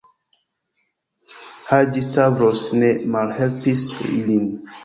Haĝi-Stavros ne malhelpis ilin.